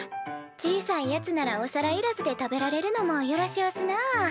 小さいやつならお皿いらずで食べられるのもよろしおすなあ。